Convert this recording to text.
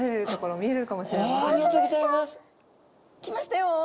来ましたよ！